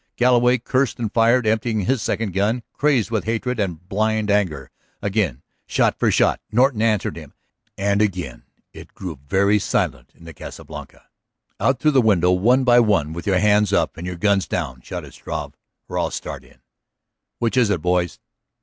Galloway cursed and fired, emptying his second gun, crazed with hatred and blind anger. Again, shot for shot Norton answered him. And again it grew very silent in the Casa Blanca. "Out through the window, one by one, with your hands up and your guns down," shouted Struve; "or I start in. Which is it, boys?"